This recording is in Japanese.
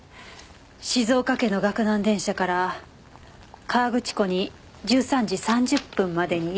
静岡県の岳南電車から河口湖に１３時３０分までに移動するのは。